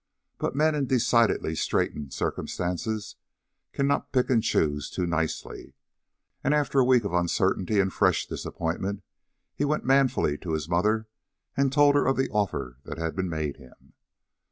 But men in decidedly straitened circumstances cannot pick and choose too nicely; and after a week of uncertainty and fresh disappointment, he went manfully to his mother and told her of the offer that had been made him.